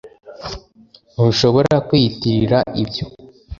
ntushobora kwiyitirira ibyo